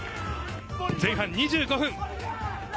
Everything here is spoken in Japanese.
前半２５分。